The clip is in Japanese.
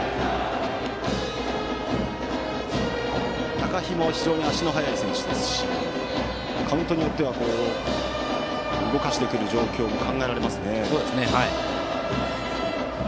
高陽も非常に足の速い選手ですしカウントによっては動かしてくる状況も考えられます。